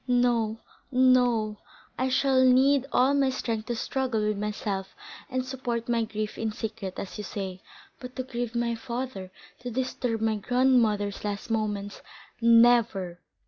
No, no; I shall need all my strength to struggle with myself and support my grief in secret, as you say. But to grieve my father—to disturb my grandmother's last moments—never!"